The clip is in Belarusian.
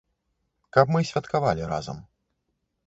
Каб мы святкавалі разам.